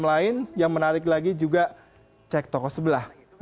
yang lain yang menarik lagi juga cek toko sebelah